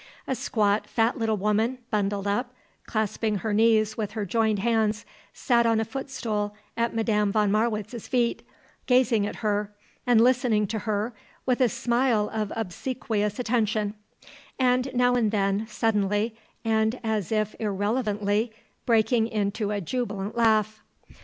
A squat, fat little woman, bundled up, clasping her knees with her joined hands, sat on a footstool at Madame von Marwitz's feet, gazing at her and listening to her with a smile of obsequious attention, and now and then, suddenly, and as if irrelevantly, breaking into a jubilant laugh.